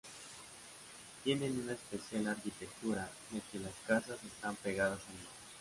Tienen una especial arquitectura ya que las casas están pegadas al mar.